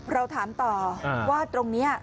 เราถามต่อว่าตรงนี้